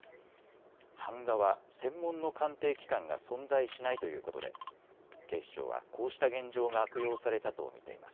版画は専門の鑑定機関が存在しないということで警視庁はこうした現状が悪用されたと見ています。